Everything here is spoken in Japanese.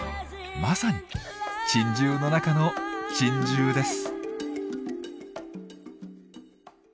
まさに珍獣の中の珍獣です。